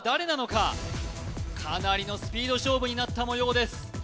かなりのスピード勝負になったもようです